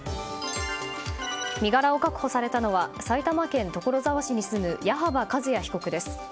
身柄を確保されたのは埼玉県所沢市に住む矢幅一弥被告です。